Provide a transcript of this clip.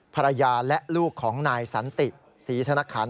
ภรรยาและลูกของนายสันติศรีธนคัน